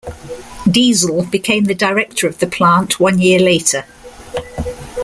Diesel became the director of the plant one year later.